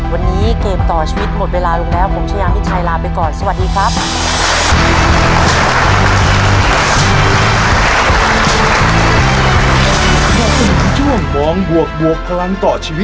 วันนี้เกมต่อชีวิตหมดเวลาลงแล้วผมชายามิชัยลาไปก่อนสวัสดีครับ